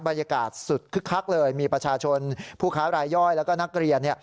บรรยากาศสุดคึกคักเลยมีประชาชนผู้ค้ารายย่อยแล้วก็นักเรียน